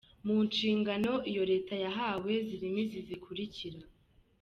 Mu nshingano iyo leta yahawe zirimo izi zikurikira:.